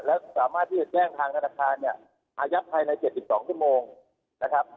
แล้วสามารถที่จะแจ้งทางธนาคารเนี่ยอายัดภายใน๗๒ชั่วโมงนะครับ